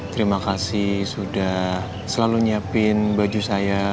terima kasih sudah selalu nyiapin baju saya